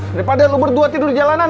daripada lu berdua tidur di jalanan